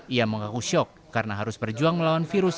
ia mengaku syok karena harus berjuang melawan virus